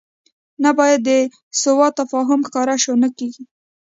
نه باید د سوء تفاهم ښکار شو، نه کېږو.